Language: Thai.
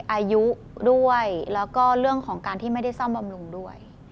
อายุด้วยแล้วก็เรื่องของการที่ไม่ได้ซ่อมบำรุงด้วย